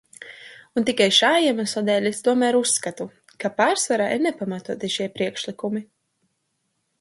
Un tikai šā iemesla dēļ es tomēr uzskatu, ka pārsvarā ir nepamatoti šie priekšlikumi.